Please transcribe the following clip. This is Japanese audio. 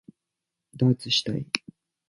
ダーツしたい